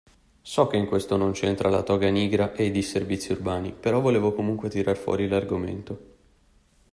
So che in questo non c'entra la Toga Nigra e i disservizi urbani, però volevo comunque tirare fuori l'argomento.